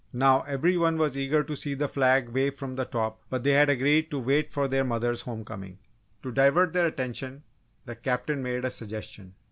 Now, every one was eager to see the flag wave from the top but they had agreed to wait for their mother's home coming. To divert their attention, the Captain made a suggestion.